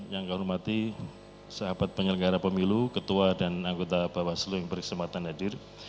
yang kami hormati sahabat penyelenggara pemilu ketua dan anggota bapak selu yang berkesempatan hadir